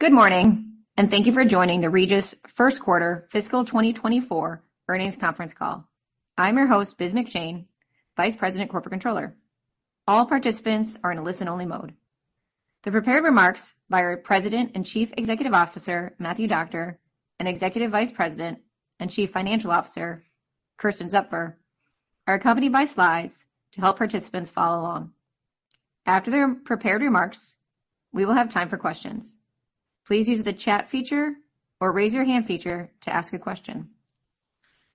Good morning, and thank you for joining the Regis first quarter fiscal 2024 earnings conference call. I'm your host, Biz McShane, Vice President of Corporate Controller. All participants are in a listen-only mode. The prepared remarks by our President and Chief Executive Officer, Matthew Doctor, and Executive Vice President and Chief Financial Officer, Kersten Zupfer, are accompanied by slides to help participants follow along. After their prepared remarks, we will have time for questions. Please use the chat feature or raise your hand feature to ask a question.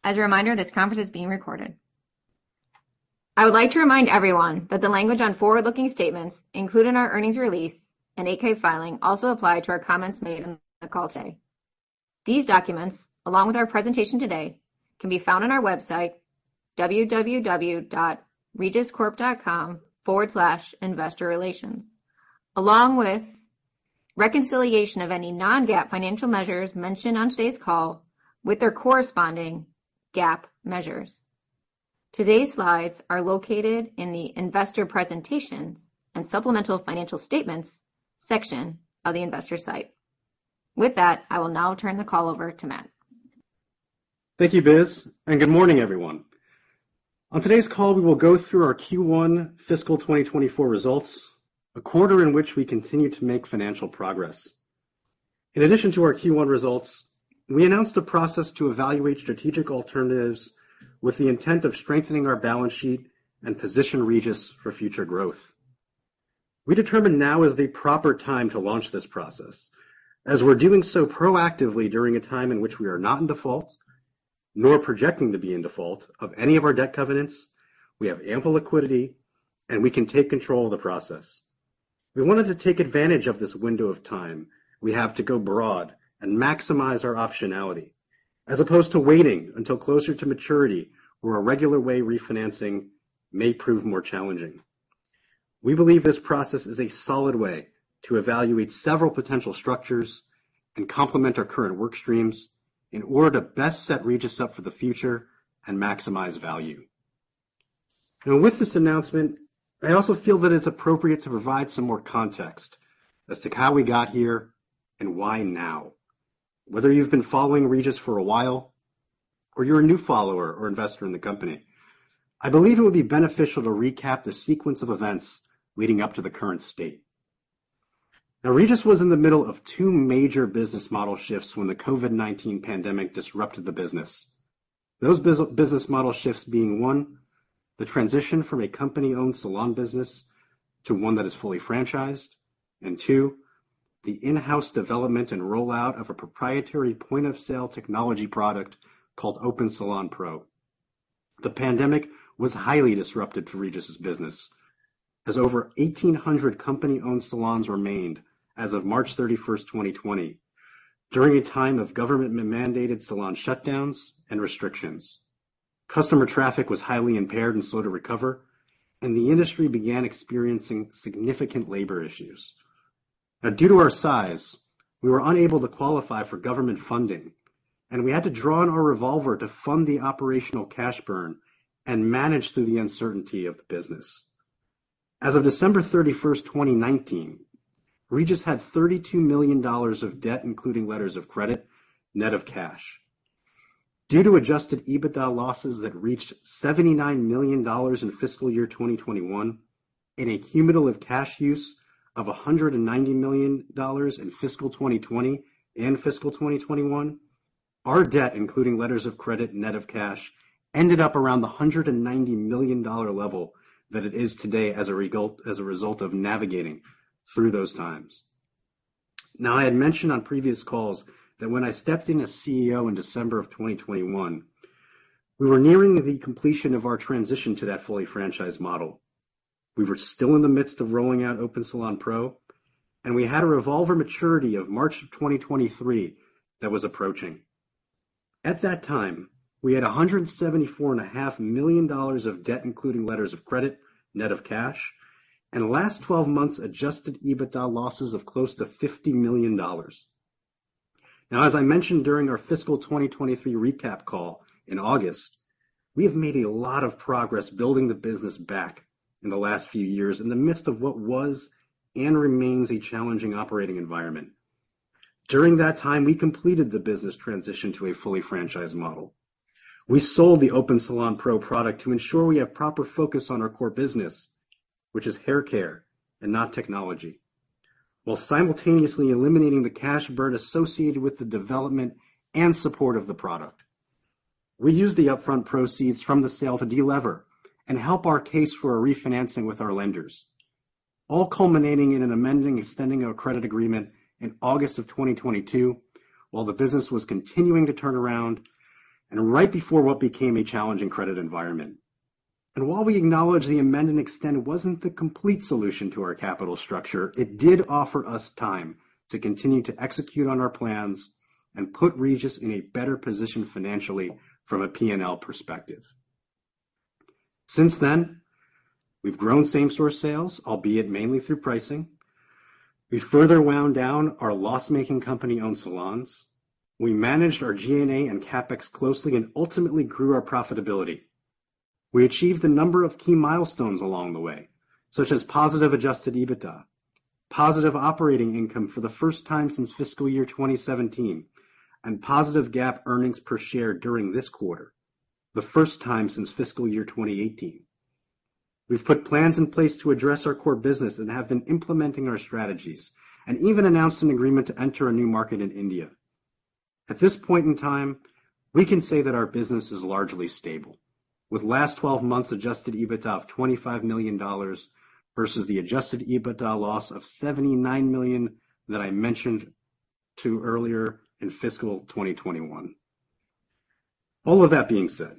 As a reminder, this conference is being recorded. I would like to remind everyone that the language on forward-looking statements included in our earnings release and 8-K filing also apply to our comments made on the call today. These documents, along with our presentation today, can be found on our website, www.regiscorp.com/investorrelations, along with reconciliation of any non-GAAP financial measures mentioned on today's call with their corresponding GAAP measures. Today's slides are located in the Investor Presentations and Supplemental Financial Statements section of the investor site. With that, I will now turn the call over to Matt. Thank you, Biz, and good morning, everyone. On today's call, we will go through our Q1 fiscal 2024 results, a quarter in which we continued to make financial progress. In addition to our Q1 results, we announced a process to evaluate strategic alternatives with the intent of strengthening our balance sheet and position Regis for future growth. We determined now is the proper time to launch this process, as we're doing so proactively during a time in which we are not in default, nor projecting to be in default of any of our debt covenants. We have ample liquidity, and we can take control of the process. We wanted to take advantage of this window of time we have to go broad and maximize our optionality, as opposed to waiting until closer to maturity, where a regular way refinancing may prove more challenging. We believe this process is a solid way to evaluate several potential structures and complement our current work streams in order to best set Regis up for the future and maximize value. Now, with this announcement, I also feel that it's appropriate to provide some more context as to how we got here and why now. Whether you've been following Regis for a while or you're a new follower or investor in the company, I believe it would be beneficial to recap the sequence of events leading up to the current state. Now, Regis was in the middle of two major business model shifts when the COVID-19 pandemic disrupted the business. Those business model shifts being, one, the transition from a company-owned salon business to one that is fully franchised, and two, the in-house development and rollout of a proprietary point-of-sale technology product called Open Salon Pro. The pandemic was highly disruptive to Regis's business, as over 1,800 company-owned salons remained as of March 31, 2020, during a time of government-mandated salon shutdowns and restrictions. Customer traffic was highly impaired and slow to recover, and the industry began experiencing significant labor issues. Now, due to our size, we were unable to qualify for government funding, and we had to draw on our revolver to fund the operational cash burn and manage through the uncertainty of the business. As of December 31, 2019, Regis had $32 million of debt, including letters of credit, net of cash. Due to Adjusted EBITDA losses that reached $79 million in fiscal year 2021 and a cumulative cash use of $190 million in fiscal 2020 and fiscal 2021, our debt, including letters of credit, net of cash, ended up around the $190 million level that it is today as a result, as a result of navigating through those times. Now, I had mentioned on previous calls that when I stepped in as CEO in December 2021, we were nearing the completion of our transition to that fully franchised model. We were still in the midst of rolling out Open Salon Pro, and we had a revolver maturity of March 2023 that was approaching. At that time, we had $174.5 million of debt, including letters of credit, net of cash, and last 12 months Adjusted EBITDA losses of close to $50 million. Now, as I mentioned during our fiscal 2023 recap call in August, we have made a lot of progress building the business back in the last few years in the midst of what was and remains a challenging operating environment. During that time, we completed the business transition to a fully franchised model. We sold the Open Salon Pro product to ensure we have proper focus on our core business, which is hair care and not technology, while simultaneously eliminating the cash burn associated with the development and support of the product. We used the upfront proceeds from the sale to delever and help our case for a refinancing with our lenders, all culminating in an amend and extend of a credit agreement in August 2022, while the business was continuing to turn around and right before what became a challenging credit environment. While we acknowledge the amend and extend wasn't the complete solution to our capital structure, it did offer us time to continue to execute on our plans and put Regis in a better position financially from a P&L perspective. Since then, we've grown same-store sales, albeit mainly through pricing. We further wound down our loss-making company-owned salons. We managed our G&A and CapEx closely and ultimately grew our profitability. We achieved a number of key milestones along the way, such as positive adjusted EBITDA, positive operating income for the first time since fiscal year 2017, and positive GAAP earnings per share during this quarter, the first time since fiscal year 2018. We've put plans in place to address our core business and have been implementing our strategies, and even announced an agreement to enter a new market in India. At this point in time, we can say that our business is largely stable, with last 12 months adjusted EBITDA of $25 million versus the adjusted EBITDA loss of $79 million that I mentioned earlier in fiscal 2021. All of that being said,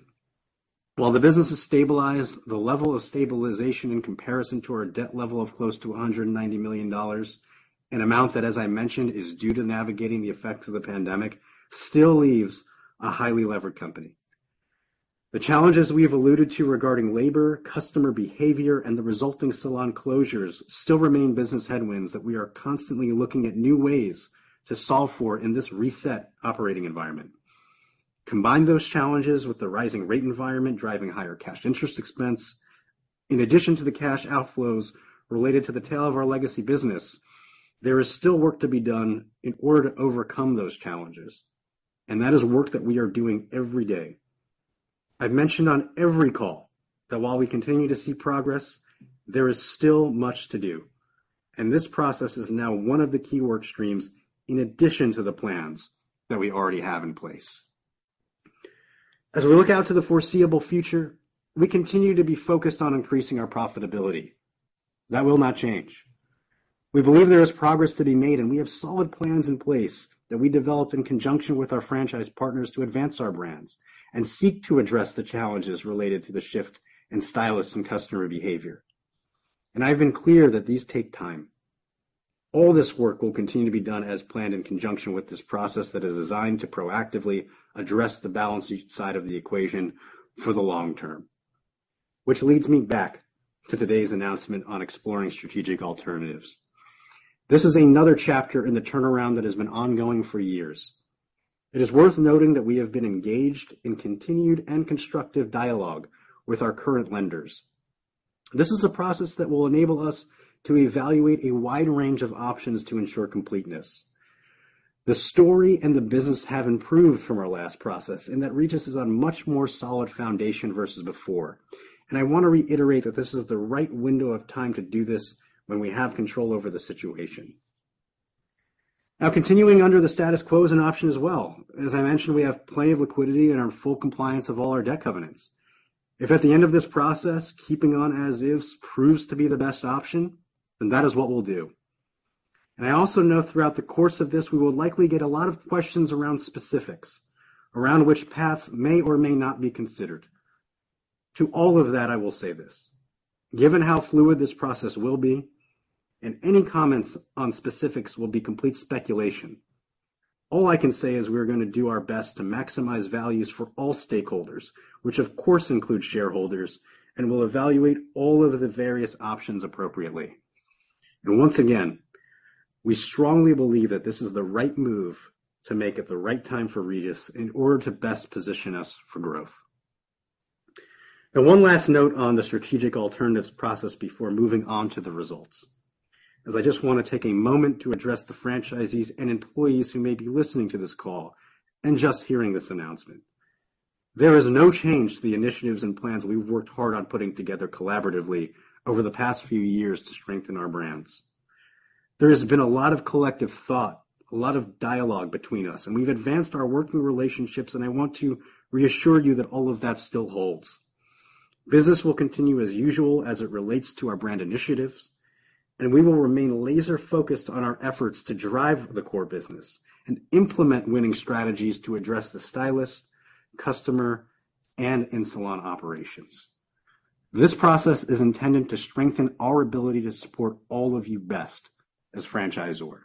while the business is stabilized, the level of stabilization in comparison to our debt level of close to $190 million, an amount that, as I mentioned, is due to navigating the effects of the pandemic, still leaves a highly levered company. The challenges we have alluded to regarding labor, customer behavior, and the resulting salon closures still remain business headwinds that we are constantly looking at new ways to solve for in this reset operating environment. Combine those challenges with the rising rate environment, driving higher cash interest expense, in addition to the cash outflows related to the tail of our legacy business, there is still work to be done in order to overcome those challenges, and that is work that we are doing every day. I've mentioned on every call that while we continue to see progress, there is still much to do, and this process is now one of the key work streams in addition to the plans that we already have in place. As we look out to the foreseeable future, we continue to be focused on increasing our profitability. That will not change. We believe there is progress to be made, and we have solid plans in place that we developed in conjunction with our franchise partners to advance our brands and seek to address the challenges related to the shift in stylists and customer behavior. I've been clear that these take time. All this work will continue to be done as planned in conjunction with this process that is designed to proactively address the balance sheet side of the equation for the long term. Which leads me back to today's announcement on exploring strategic alternatives. This is another chapter in the turnaround that has been ongoing for years. It is worth noting that we have been engaged in continued and constructive dialogue with our current lenders. This is a process that will enable us to evaluate a wide range of options to ensure completeness. The story and the business have improved from our last process, and that Regis is on much more solid foundation versus before. And I want to reiterate that this is the right window of time to do this when we have control over the situation. Now, continuing under the status quo is an option as well. As I mentioned, we have plenty of liquidity and are in full compliance of all our debt covenants. If at the end of this process, keeping on as is proves to be the best option, then that is what we'll do. I also know throughout the course of this, we will likely get a lot of questions around specifics, around which paths may or may not be considered. To all of that, I will say this, given how fluid this process will be, and any comments on specifics will be complete speculation, all I can say is we are gonna do our best to maximize values for all stakeholders, which of course, includes shareholders, and we'll evaluate all of the various options appropriately. Once again, we strongly believe that this is the right move to make at the right time for Regis in order to best position us for growth. Now, one last note on the strategic alternatives process before moving on to the results, as I just want to take a moment to address the franchisees and employees who may be listening to this call and just hearing this announcement. There is no change to the initiatives and plans we've worked hard on putting together collaboratively over the past few years to strengthen our brands. There has been a lot of collective thought, a lot of dialogue between us, and we've advanced our working relationships, and I want to reassure you that all of that still holds. Business will continue as usual as it relates to our brand initiatives, and we will remain laser focused on our efforts to drive the core business and implement winning strategies to address the stylist, customer, and in-salon operations. This process is intended to strengthen our ability to support all of you best as franchisor.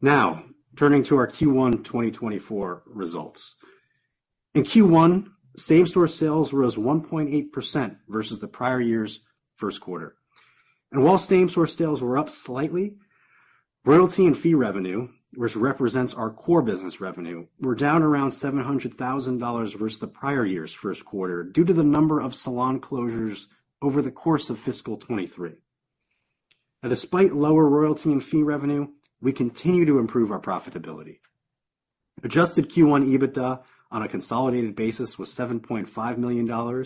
Now, turning to our Q1 2024 results. In Q1, same-store sales rose 1.8% versus the prior year's first quarter. While same-store sales were up slightly, royalty and fee revenue, which represents our core business revenue, were down around $700,000 versus the prior year's first quarter due to the number of salon closures over the course of fiscal 2023. Now, despite lower royalty and fee revenue, we continue to improve our profitability. Adjusted Q1 EBITDA on a consolidated basis was $7.5 million,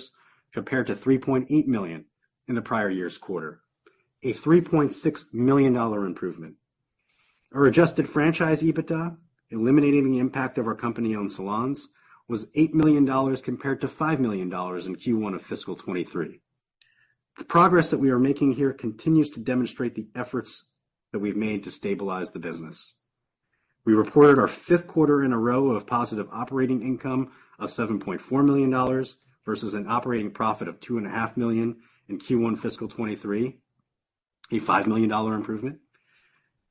compared to $3.8 million in the prior year's quarter, a $3.6 million improvement. Our adjusted franchise EBITDA, eliminating the impact of our company-owned salons, was $8 million compared to $5 million in Q1 of fiscal 2023. The progress that we are making here continues to demonstrate the efforts that we've made to stabilize the business. We reported our fifth quarter in a row of positive operating income of $7.4 million versus an operating profit of $2.5 million in Q1 fiscal 2023, a $5 million improvement.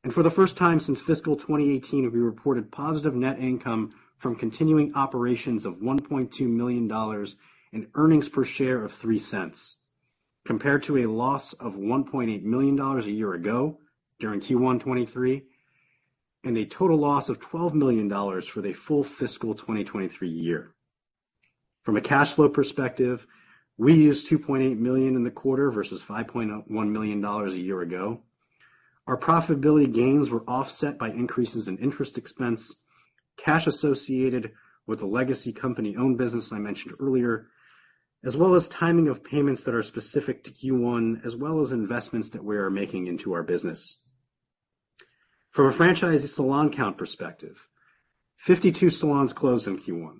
And for the first time since fiscal 2018, we reported positive net income from continuing operations of $1.2 million and earnings per share of $0.03, compared to a loss of $1.8 million a year ago during Q1 2023 and a total loss of $12 million for the full fiscal 2023 year. From a cash flow perspective, we used $2.8 million in the quarter, versus $5.1 million a year ago. Our profitability gains were offset by increases in interest expense, cash associated with the legacy company-owned business I mentioned earlier, as well as timing of payments that are specific to Q1, as well as investments that we are making into our business. From a franchise salon count perspective, 52 salons closed in Q1,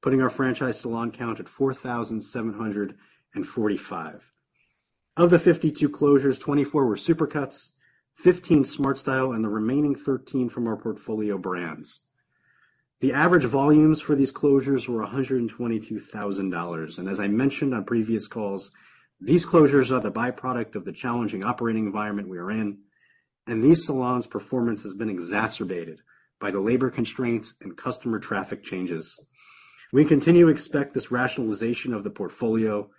putting our franchise salon count at 4,745. Of the 52 closures, 24 were Supercuts, 15 SmartStyle, and the remaining 13 from our portfolio brands. The average volumes for these closures were $122,000, and as I mentioned on previous calls, these closures are the byproduct of the challenging operating environment we are in, and these salons' performance has been exacerbated by the labor constraints and customer traffic changes. We continue to expect this rationalization of the portfolio,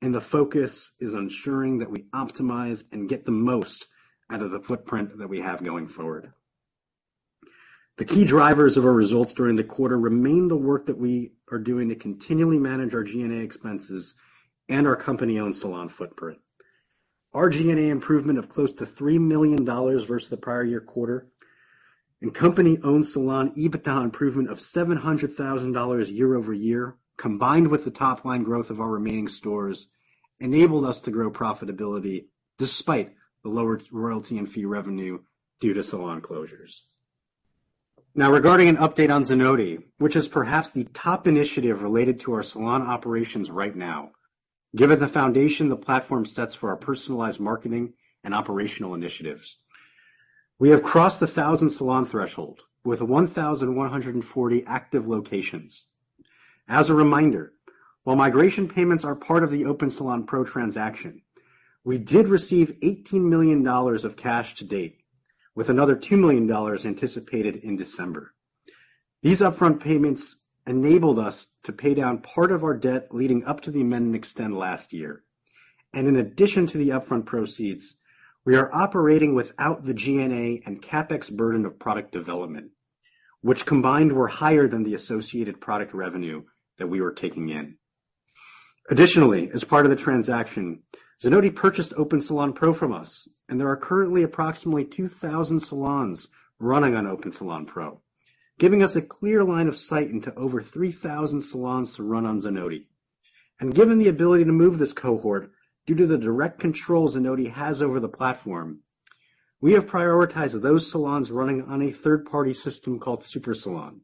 and the focus is on ensuring that we optimize and get the most out of the footprint that we have going forward. The key drivers of our results during the quarter remain the work that we are doing to continually manage our G&A expenses and our company-owned salon footprint. Our G&A improvement of close to $3 million versus the prior year quarter, and company-owned salon EBITDA improvement of $700,000 year-over-year, combined with the top-line growth of our remaining stores, enabled us to grow profitability despite the lower royalty and fee revenue due to salon closures. Now, regarding an update on Zenoti, which is perhaps the top initiative related to our salon operations right now, given the foundation the platform sets for our personalized marketing and operational initiatives, we have crossed the 1,000-salon threshold with 1,140 active locations. As a reminder, while migration payments are part of the Open Salon Pro transaction, we did receive $18 million of cash to date, with another $2 million anticipated in December. These upfront payments enabled us to pay down part of our debt leading up to the amend and extend last year. And in addition to the upfront proceeds, we are operating without the G&A and CapEx burden of product development, which combined were higher than the associated product revenue that we were taking in. Additionally, as part of the transaction, Zenoti purchased Open Salon Pro from us, and there are currently approximately 2,000 salons running on Open Salon Pro, giving us a clear line of sight into over 3,000 salons to run on Zenoti. Given the ability to move this cohort due to the direct control Zenoti has over the platform, we have prioritized those salons running on a third-party system called SuperSalon,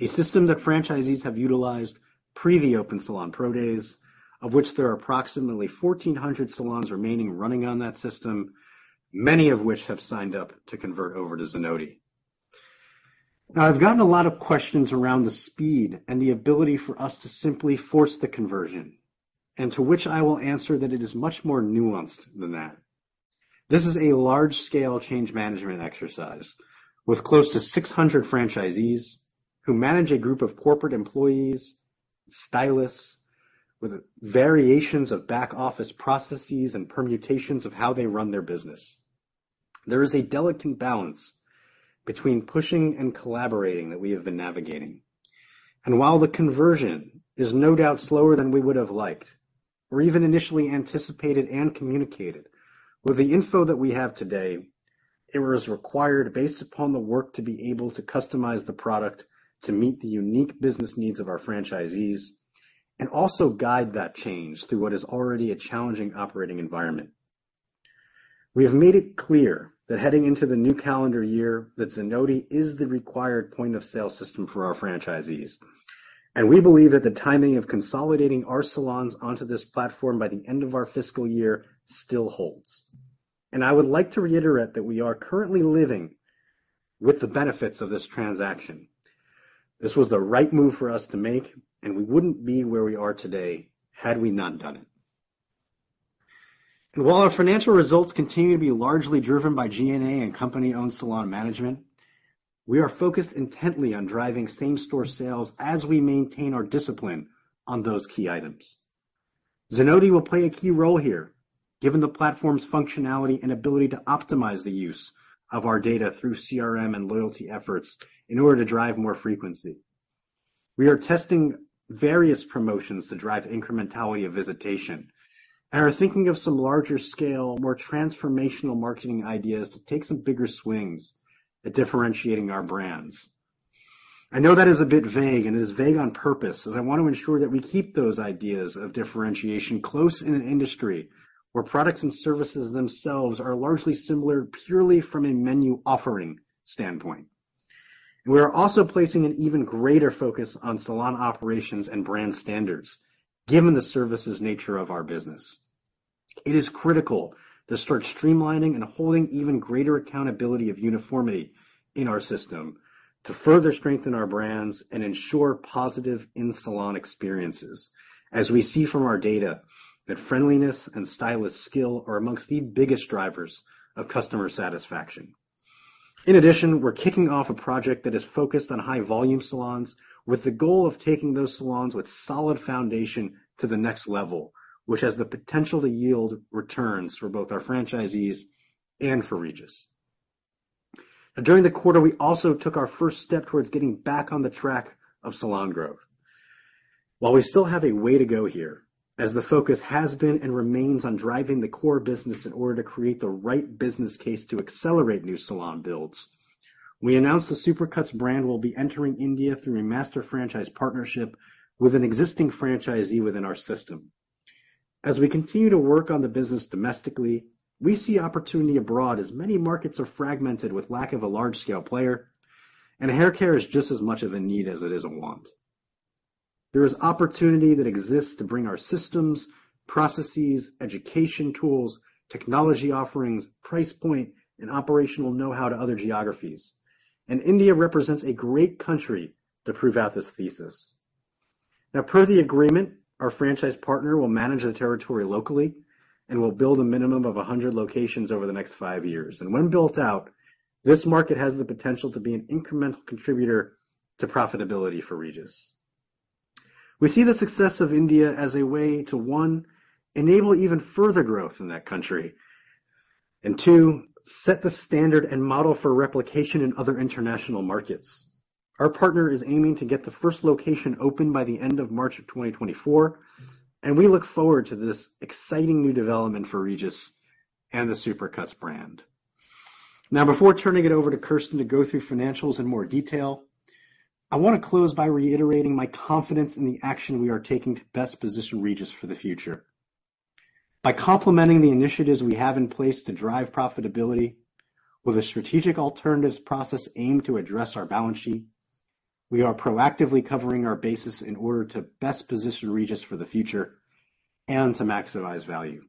a system that franchisees have utilized pre the Open Salon Pro days, of which there are approximately 1,400 salons remaining running on that system, many of which have signed up to convert over to Zenoti. Now, I've gotten a lot of questions around the speed and the ability for us to simply force the conversion, and to which I will answer that it is much more nuanced than that. This is a large-scale change management exercise with close to 600 franchisees who manage a group of corporate employees, stylists, with variations of back-office processes and permutations of how they run their business. There is a delicate balance between pushing and collaborating that we have been navigating. While the conversion is no doubt slower than we would have liked or even initially anticipated and communicated, with the info that we have today, it was required based upon the work, to be able to customize the product to meet the unique business needs of our franchisees and also guide that change through what is already a challenging operating environment. We have made it clear that heading into the new calendar year, that Zenoti is the required point-of-sale system for our franchisees, and we believe that the timing of consolidating our salons onto this platform by the end of our fiscal year still holds. And I would like to reiterate that we are currently living with the benefits of this transaction. This was the right move for us to make, and we wouldn't be where we are today had we not done it. And while our financial results continue to be largely driven by G&A and company-owned salon management, we are focused intently on driving same-store sales as we maintain our discipline on those key items. Zenoti will play a key role here, given the platform's functionality and ability to optimize the use of our data through CRM and loyalty efforts in order to drive more frequency. We are testing various promotions to drive incrementality of visitation and are thinking of some larger-scale, more transformational marketing ideas to take some bigger swings at differentiating our brands. I know that is a bit vague, and it is vague on purpose, as I want to ensure that we keep those ideas of differentiation close in an industry where products and services themselves are largely similar, purely from a menu offering standpoint. We are also placing an even greater focus on salon operations and brand standards, given the services nature of our business. It is critical to start streamlining and holding even greater accountability of uniformity in our system to further strengthen our brands and ensure positive in-salon experiences, as we see from our data that friendliness and stylist skill are amongst the biggest drivers of customer satisfaction. In addition, we're kicking off a project that is focused on high-volume salons, with the goal of taking those salons with solid foundation to the next level, which has the potential to yield returns for both our franchisees and for Regis. Now, during the quarter, we also took our first step towards getting back on the track of salon growth. While we still have a way to go here, as the focus has been and remains on driving the core business in order to create the right business case to accelerate new salon builds, we announced the Supercuts brand will be entering India through a master franchise partnership with an existing franchisee within our system. As we continue to work on the business domestically, we see opportunity abroad as many markets are fragmented, with lack of a large-scale player, and haircare is just as much of a need as it is a want. There is opportunity that exists to bring our systems, processes, education tools, technology offerings, price point, and operational know-how to other geographies, and India represents a great country to prove out this thesis. Now, per the agreement, our franchise partner will manage the territory locally and will build a minimum of 100 locations over the next five years. When built out, this market has the potential to be an incremental contributor to profitability for Regis. We see the success of India as a way to, one, enable even further growth in that country, and two, set the standard and model for replication in other international markets. Our partner is aiming to get the first location open by the end of March 2024, and we look forward to this exciting new development for Regis and the Supercuts brand. Now, before turning it over to Kersten to go through financials in more detail, I want to close by reiterating my confidence in the action we are taking to best position Regis for the future. By complementing the initiatives we have in place to drive profitability, with a strategic alternatives process aimed to address our balance sheet, we are proactively covering our bases in order to best position Regis for the future and to maximize value.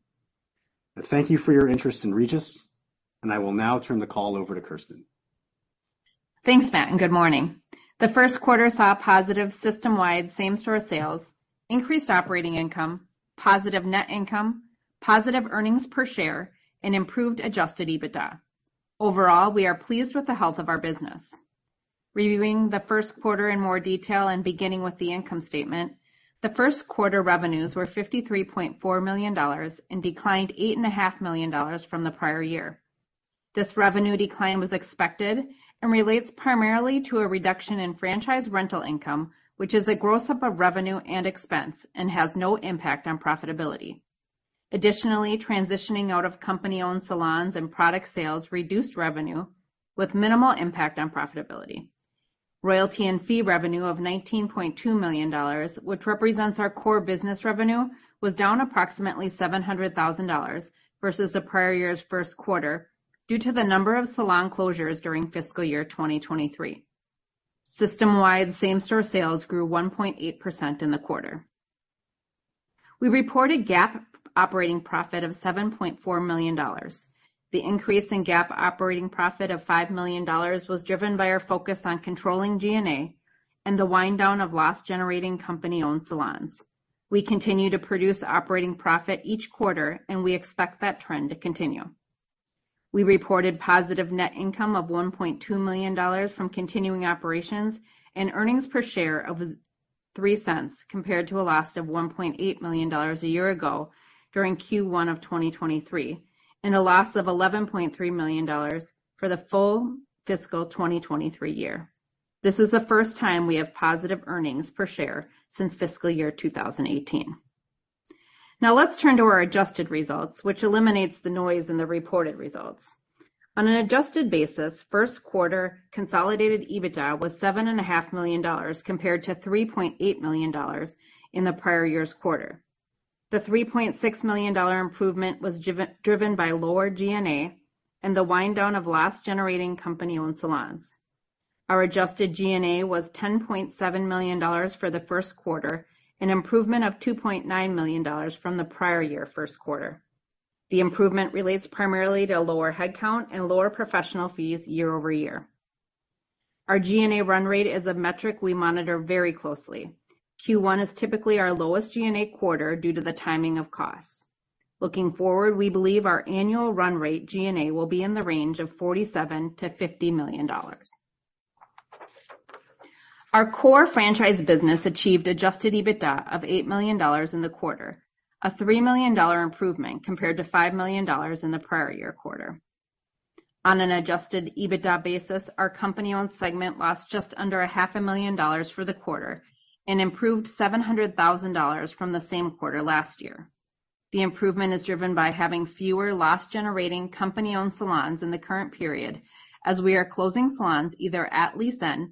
Thank you for your interest in Regis, and I will now turn the call over to Kersten. Thanks, Matt, and good morning. The first quarter saw positive system-wide Same-Store Sales, increased operating income, positive net income, positive earnings per share, and improved Adjusted EBITDA. Overall, we are pleased with the health of our business. Reviewing the first quarter in more detail and beginning with the income statement, the first quarter revenues were $53.4 million and declined $8.5 million from the prior year. This revenue decline was expected and relates primarily to a reduction in franchise rental income, which is a gross-up of revenue and expense and has no impact on profitability. Additionally, transitioning out of company-owned salons and product sales reduced revenue with minimal impact on profitability. Royalty and fee revenue of $19.2 million, which represents our core business revenue, was down approximately $700,000 versus the prior year's first quarter due to the number of salon closures during fiscal year 2023. System-wide Same-Store Sales grew 1.8% in the quarter. We reported GAAP operating profit of $7.4 million. The increase in GAAP operating profit of $5 million was driven by our focus on controlling G&A and the wind down of loss-generating company-owned salons. We continue to produce operating profit each quarter, and we expect that trend to continue. We reported positive net income of $1.2 million from continuing operations and earnings per share of $0.03, compared to a loss of $1.8 million a year ago during Q1 of 2023, and a loss of $11.3 million for the full fiscal 2023 year. This is the first time we have positive earnings per share since fiscal year 2018. Now, let's turn to our adjusted results, which eliminates the noise in the reported results. On an adjusted basis, first quarter consolidated EBITDA was $7.5 million, compared to $3.8 million in the prior year's quarter. The $3.6 million improvement was driven by lower G&A and the wind down of loss-generating company-owned salons. Our adjusted G&A was $10.7 million for the first quarter, an improvement of $2.9 million from the prior year first quarter. The improvement relates primarily to lower headcount and lower professional fees year over year. Our G&A run rate is a metric we monitor very closely. Q1 is typically our lowest G&A quarter due to the timing of costs. Looking forward, we believe our annual run rate G&A will be in the range of $47-$50 million. Our core franchise business achieved adjusted EBITDA of $8 million in the quarter, a $3 million improvement compared to $5 million in the prior year quarter. On an adjusted EBITDA basis, our company-owned segment lost just under $500,000 for the quarter and improved $700,000 from the same quarter last year. The improvement is driven by having fewer loss-generating company-owned salons in the current period, as we are closing salons either at lease end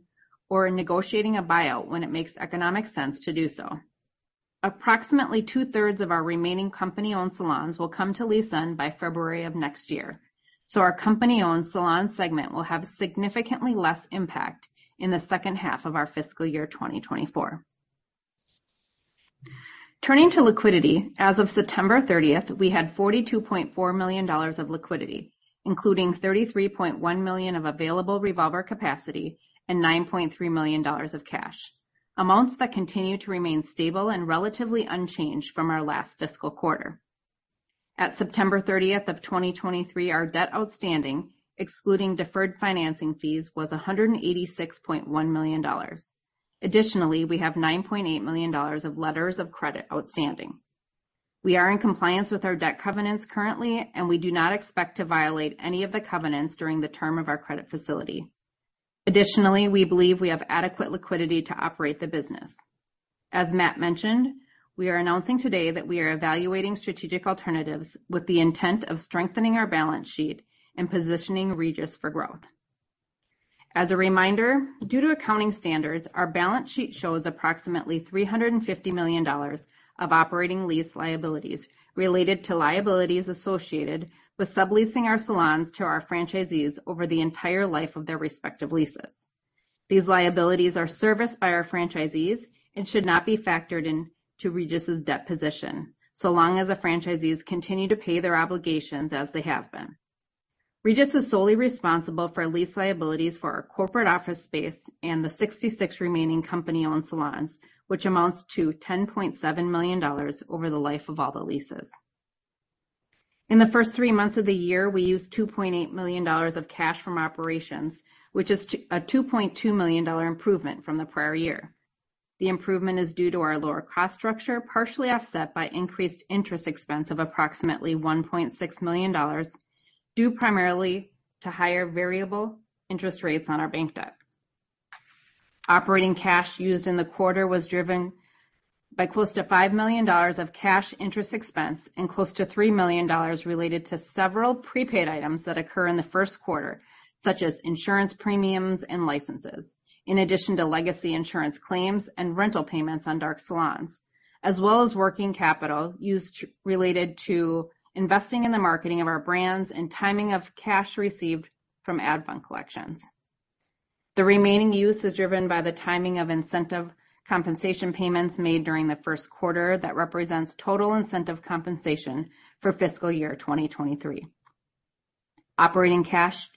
or negotiating a buyout when it makes economic sense to do so. Approximately two-thirds of our remaining company-owned salons will come to lease end by February of next year, so our company-owned salon segment will have significantly less impact in the second half of our fiscal year 2024. Turning to liquidity, as of September 30, we had $42.4 million of liquidity, including $33.1 million of available revolver capacity and $9.3 million of cash, amounts that continue to remain stable and relatively unchanged from our last fiscal quarter. At September 30, 2023, our debt outstanding, excluding deferred financing fees, was $186.1 million. Additionally, we have $9.8 million of letters of credit outstanding. We are in compliance with our debt covenants currently, and we do not expect to violate any of the covenants during the term of our credit facility. Additionally, we believe we have adequate liquidity to operate the business. As Matt mentioned, we are announcing today that we are evaluating strategic alternatives with the intent of strengthening our balance sheet and positioning Regis for growth. As a reminder, due to accounting standards, our balance sheet shows approximately $350 million of operating lease liabilities related to liabilities associated with subleasing our salons to our franchisees over the entire life of their respective leases. These liabilities are serviced by our franchisees and should not be factored into Regis's debt position, so long as the franchisees continue to pay their obligations as they have been. Regis is solely responsible for lease liabilities for our corporate office space and the 66 remaining company-owned salons, which amounts to $10.7 million over the life of all the leases. In the first three months of the year, we used $2.8 million of cash from operations, which is a $2.2 million improvement from the prior year. The improvement is due to our lower cost structure, partially offset by increased interest expense of approximately $1.6 million, due primarily to higher variable interest rates on our bank debt. Operating cash used in the quarter was driven by close to $5 million of cash interest expense and close to $3 million related to several prepaid items that occur in the first quarter, such as insurance premiums and licenses, in addition to legacy insurance claims and rental payments on dark salons, as well as working capital used related to investing in the marketing of our brands and timing of cash received from ad fund collections. The remaining use is driven by the timing of incentive compensation payments made during the first quarter that represents total incentive compensation for fiscal year 2023. Operating cash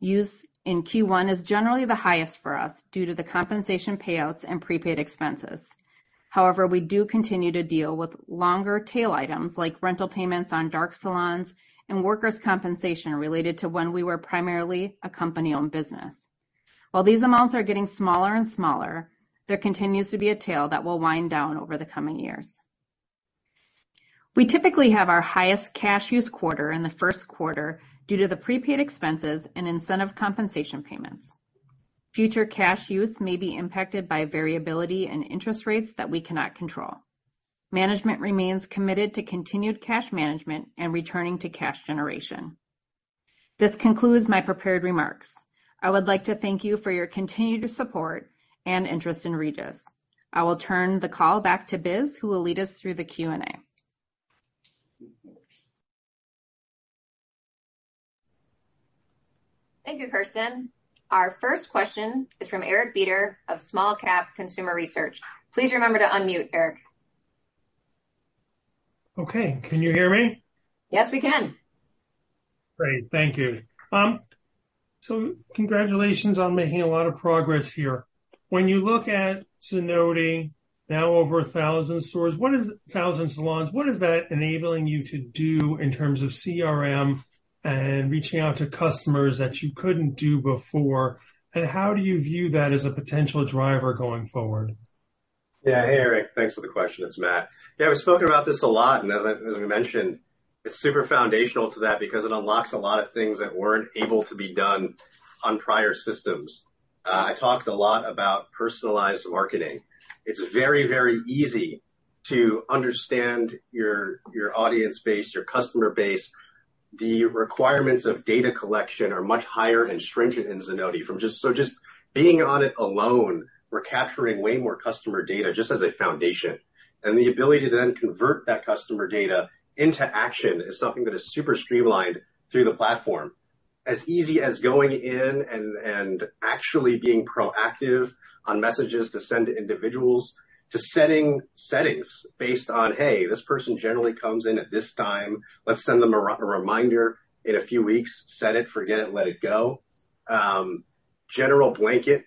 use in Q1 is generally the highest for us due to the compensation payouts and prepaid expenses. However, we do continue to deal with longer tail items like rental payments on dark salons and workers' compensation related to when we were primarily a company-owned business. While these amounts are getting smaller and smaller, there continues to be a tail that will wind down over the coming years. We typically have our highest cash use quarter in the first quarter due to the prepaid expenses and incentive compensation payments. Future cash use may be impacted by variability in interest rates that we cannot control. Management remains committed to continued cash management and returning to cash generation. This concludes my prepared remarks. I would like to thank you for your continued support and interest in Regis. I will turn the call back to Biz, who will lead us through the Q&A. Thank you, Kersten. Our first question is from Eric Beder of Small Cap Consumer Research. Please remember to unmute, Eric. Okay, can you hear me? Yes, we can. Great, thank you. So congratulations on making a lot of progress here. When you look at Zenoti, now over 1,000 salons, what is that enabling you to do in terms of CRM and reaching out to customers that you couldn't do before? And how do you view that as a potential driver going forward? Yeah. Hey, Eric, thanks for the question. It's Matt. Yeah, we've spoken about this a lot, and as I, as we mentioned, it's super foundational to that because it unlocks a lot of things that weren't able to be done on prior systems. I talked a lot about personalized marketing. It's very, very easy to understand your, your audience base, your customer base. The requirements of data collection are much higher and stringent in Zenoti, from just, so just being on it alone, we're capturing way more customer data just as a foundation. And the ability to then convert that customer data into action is something that is super streamlined through the platform. As easy as going in and actually being proactive on messages to send to individuals, to setting settings based on, hey, this person generally comes in at this time, let's send them a reminder in a few weeks. Set it, forget it, let it go. General blanket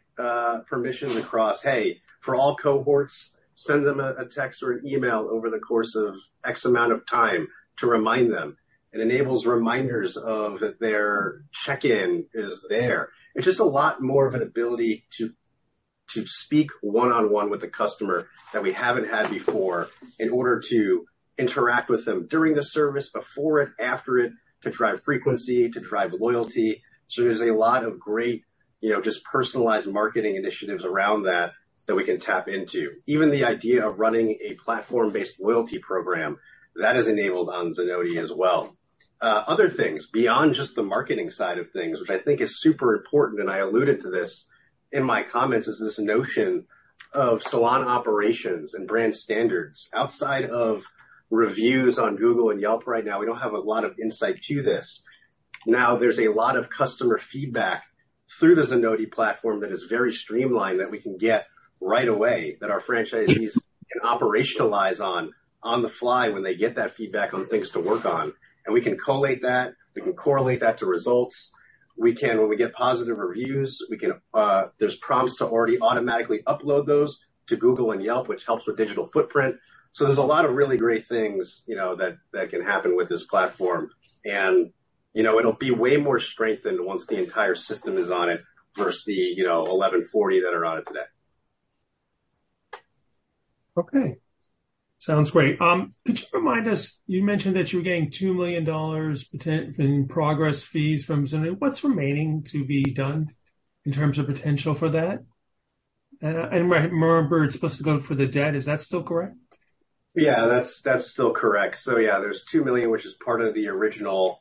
permissions across, hey, for all cohorts, send them a text or an email over the course of X amount of time to remind them. It enables reminders of their check-in is there. It's just a lot more of an ability to speak one-on-one with the customer that we haven't had before, in order to interact with them during the service, before it, after it, to drive frequency, to drive loyalty. So there's a lot of great, you know, just personalized marketing initiatives around that, that we can tap into. Even the idea of running a platform-based loyalty program, that is enabled on Zenoti as well. Other things, beyond just the marketing side of things, which I think is super important, and I alluded to this in my comments, is this notion of salon operations and brand standards. Outside of reviews on Google and Yelp right now, we don't have a lot of insight to this. Now, there's a lot of customer feedback through the Zenoti platform that is very streamlined, that we can get right away, that our franchisees can operationalize on, on the fly when they get that feedback on things to work on. And we can collate that, we can correlate that to results. We can. When we get positive reviews, we can, there's prompts to already automatically upload those to Google and Yelp, which helps with digital footprint. So there's a lot of really great things, you know, that that can happen with this platform. You know, it'll be way more strength than once the entire system is on it, versus the, you know, 1,140 that are on it today. Okay, sounds great. Could you remind us, you mentioned that you were getting $2 million potential in progress fees from Zenoti. What's remaining to be done in terms of potential for that? And, I remember it's supposed to go for the debt. Is that still correct? Yeah, that's, that's still correct. So yeah, there's $2 million, which is part of the original,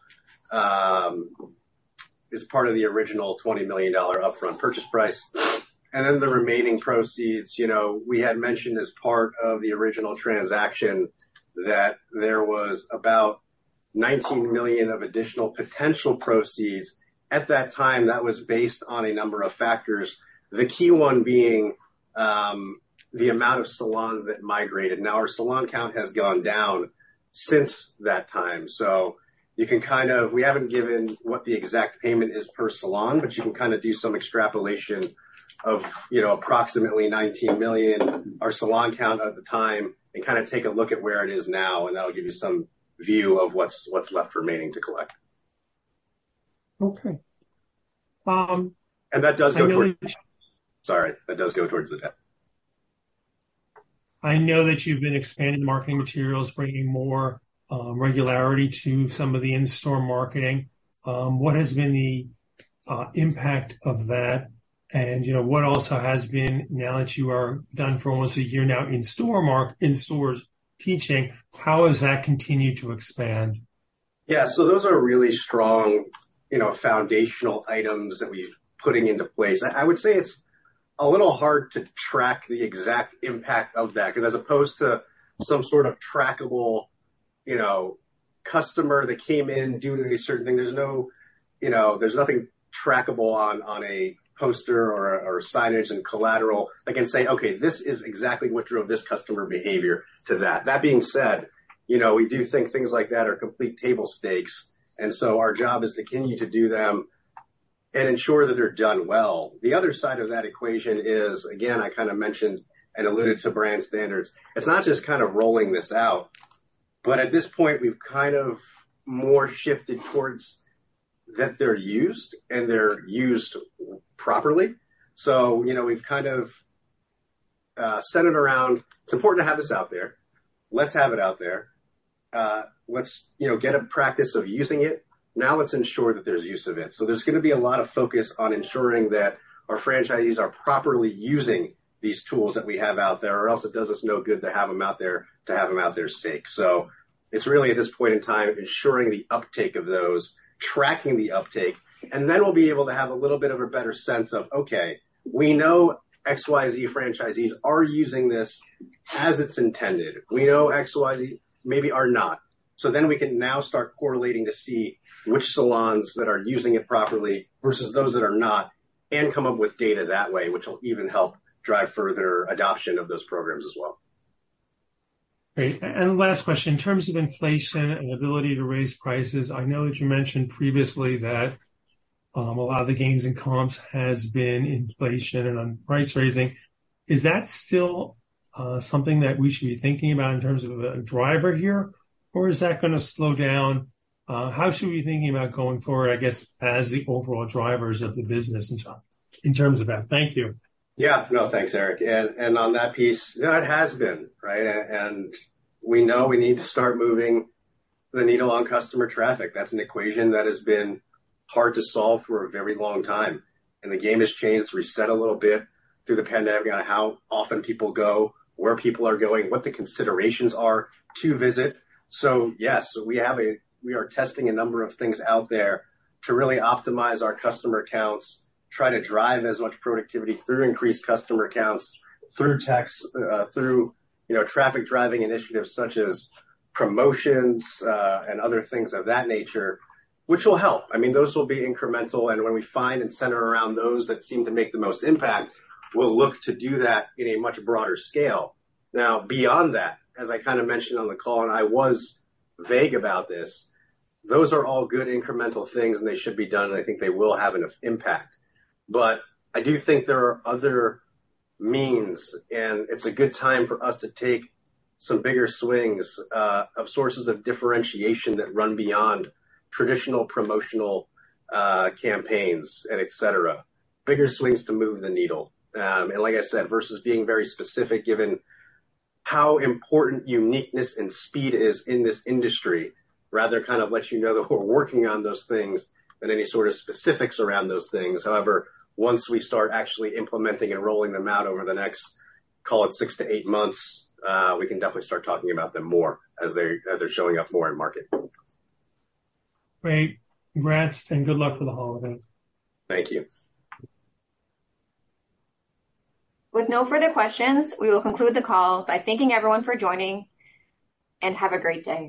is part of the original $20 million upfront purchase price. And then the remaining proceeds, you know, we had mentioned as part of the original transaction, that there was about $19 million of additional potential proceeds. At that time, that was based on a number of factors, the key one being, the amount of salons that migrated. Now, our salon count has gone down since that time, so you can kind of, we haven't given what the exact payment is per salon, but you can kinda do some extrapolation of, you know, approximately $19 million, our salon count at the time, and kinda take a look at where it is now, and that'll give you some view of what's, what's left remaining to collect. Okay. Um- That does go towards- I know- Sorry, that does go towards the debt. I know that you've been expanding marketing materials, bringing more regularity to some of the in-store marketing. What has been the impact of that? And, you know, what also has been, now that you are done for almost a year now in-store in stores teaching, how has that continued to expand? Yeah. So those are really strong, you know, foundational items that we're putting into place. I would say it's a little hard to track the exact impact of that, 'cause as opposed to some sort of trackable, you know, customer that came in due to a certain thing, there's no, you know, there's nothing trackable on a poster or signage and collateral. I can say, "Okay, this is exactly what drove this customer behavior to that." That being said, you know, we do think things like that are complete table stakes, and so our job is to continue to do them and ensure that they're done well. The other side of that equation is, again, I kind of mentioned and alluded to brand standards. It's not just kind of rolling this out, but at this point, we've kind of more shifted towards that they're used and they're used properly. So, you know, we've kind of centered around, it's important to have this out there. Let's have it out there. Let's, you know, get a practice of using it. Now, let's ensure that there's use of it. So there's gonna be a lot of focus on ensuring that our franchisees are properly using these tools that we have out there, or else it does us no good to have them out there, to have them out there sake. So it's really, at this point in time, ensuring the uptake of those, tracking the uptake, and then we'll be able to have a little bit of a better sense of, okay, we know XYZ franchisees are using this as it's intended. We know XYZ maybe are not. So then we can now start correlating to see which salons that are using it properly versus those that are not, and come up with data that way, which will even help drive further adoption of those programs as well. Great. Last question, in terms of inflation and ability to raise prices, I know that you mentioned previously that a lot of the gains and comps has been inflation and on price raising. Is that still something that we should be thinking about in terms of a driver here, or is that gonna slow down? How should we be thinking about going forward, I guess, as the overall drivers of the business in terms of that? Thank you. Yeah. No, thanks, Eric. And on that piece, you know, it has been, right? And we know we need to start moving the needle on customer traffic. That's an equation that has been hard to solve for a very long time, and the game has changed. It's reset a little bit through the pandemic on how often people go, where people are going, what the considerations are to visit. So yes, we are testing a number of things out there to really optimize our customer counts, try to drive as much productivity through increased customer counts, through texts, through, you know, traffic-driving initiatives such as promotions, and other things of that nature, which will help. I mean, those will be incremental, and when we find and center around those that seem to make the most impact, we'll look to do that in a much broader scale. Now, beyond that, as I kind of mentioned on the call, and I was vague about this, those are all good incremental things, and they should be done, and I think they will have an impact. But I do think there are other means, and it's a good time for us to take some bigger swings of sources of differentiation that run beyond traditional promotional campaigns and et cetera. Bigger swings to move the needle. And like I said, versus being very specific given how important uniqueness and speed is in this industry, rather kind of let you know that we're working on those things than any sort of specifics around those things. However, once we start actually implementing and rolling them out over the next, call it 6-8 months, we can definitely start talking about them more as they're, as they're showing up more in market. Great. Congrats, and good luck for the holiday. Thank you. With no further questions, we will conclude the call by thanking everyone for joining, and have a great day.